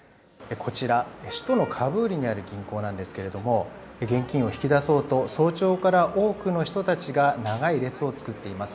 こちら、首都のカブールにある銀行なんですが現金を引き出そうと早朝から多くの人たちが長い列を作っています。